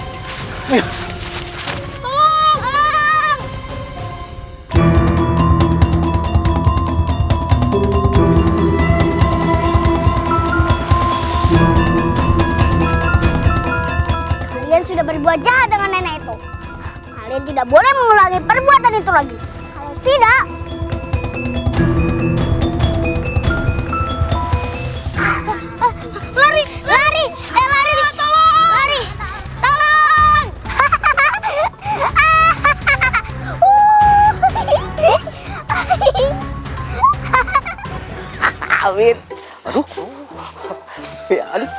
kalian sudah berbuat jahat dengan nenek itu kalian tidak boleh mengulangi perbuatan itu lagi tidak